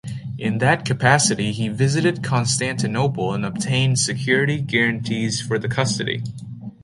In that capacity he visited Constantinople and obtained security guarantees for the Custody.